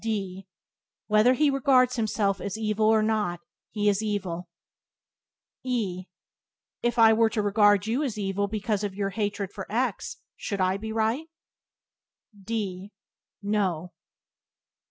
D Whether he regards himself as evil or not he is evil. E If I were to regard you as evil because of your hatred for X , should I be right? D No.